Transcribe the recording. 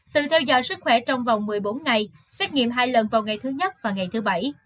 tự theo dõi sức khỏe trong vòng một mươi bốn ngày xét nghiệm hai lần vào ngày thứ nhất và ngày thứ bảy